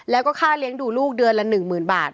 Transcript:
แล้วก็ค่าเลี้ยงดูลูกเดือนละ๑๐๐๐บาท